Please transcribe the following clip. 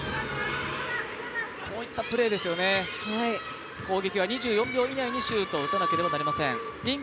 こういったプレーですよね、攻撃は２４秒以内にシュートを打たないといけません。